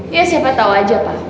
iya siapa tau aja pak